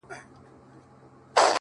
د زړو غمونو یاري. انډيوالي د دردونو.